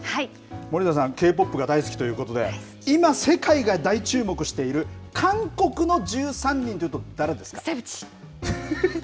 森田さんＫ−ＰＯＰが大好きということで今、世界が大注目している韓国の１３人というと誰ですか。